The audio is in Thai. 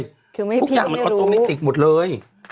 คือไม่เราให้รู้ทุกอย่างเหมือนทรอมนิกติกหมดเลย